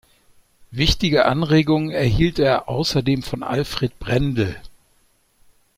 Wichtige Anregungen erhielt er außerdem von Alfred Brendel.